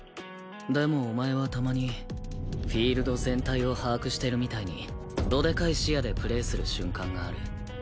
でもお前はたまにフィールド全体を把握してるみたいにどでかい視野でプレーする瞬間がある。